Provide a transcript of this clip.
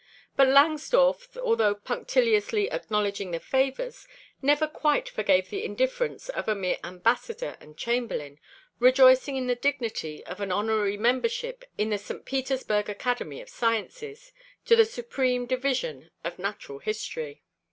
But Langsdorff, although punctiliously acknowledging the favors, never quite forgave the indifference of a mere ambassador and chamberlain, rejoicing in the dignity of an honorary membership in the St. Petersburg Academy of Sciences, to the supreme division of natural history.